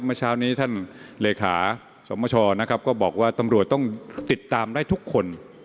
เมื่อเช้านี้ท่านเลขาสมชนะครับก็บอกว่าตำรวจต้องติดตามได้ทุกคน